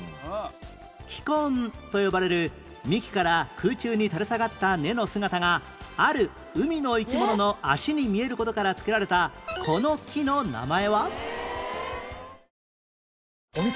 気根と呼ばれる幹から空中に垂れ下がった根の姿がある海の生き物の足に見える事から付けられたこの木の名前は？